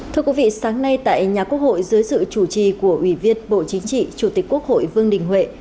thưa quý vị sáng nay tại nhà quốc hội dưới sự chủ trì của ủy viên bộ chính trị chủ tịch quốc hội vương đình huệ